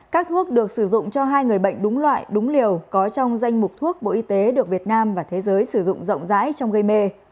các thuốc được sử dụng cho hai người bệnh đúng loại đúng liều có trong danh mục thuốc bộ y tế được việt nam và thế giới sử dụng rộng rãi trong gây mê